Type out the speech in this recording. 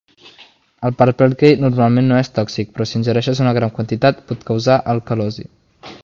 El Purple-K normalment no és tòxic, però si ingereixes una gran quantitat, pot causar alcalosi.